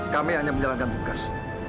kami hanya menjalankan tugas